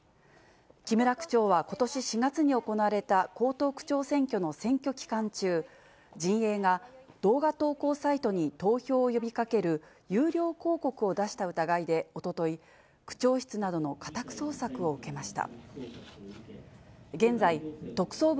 木村区長はことし４月に行われた江東区長選挙の選挙期間中、陣営が動画投稿サイトに投票を呼びかける有料広告を出した疑いでおととい、区長室などの家宅捜索を受けました。